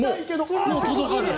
もう届かない。